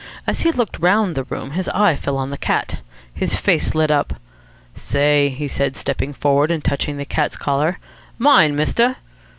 As he looked round the room, his eye fell on the cat. His face lit up. "Say!" he said, stepping forward, and touching the cat's collar, "mine, mister."